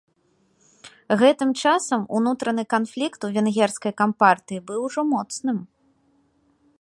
Гэтым часам унутраны канфлікт у венгерскай кампартыі быў ужо моцным.